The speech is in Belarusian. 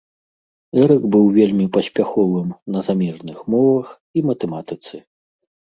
Эрык быў вельмі паспяховым на замежных мовах і матэматыцы.